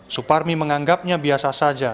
suparmi menganggapnya biasa saja